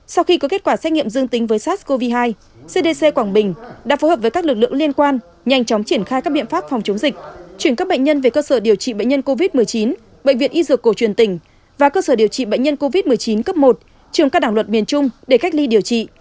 sau khi có kết quả xét nghiệm dương tính với sars cov hai cdc quảng bình đã phối hợp với các lực lượng liên quan nhanh chóng triển khai các biện pháp phòng chống dịch chuyển các bệnh nhân về cơ sở điều trị bệnh nhân covid một mươi chín bệnh viện y dược cổ truyền tỉnh và cơ sở điều trị bệnh nhân covid một mươi chín cấp một trường cao đẳng luật miền trung để cách ly điều trị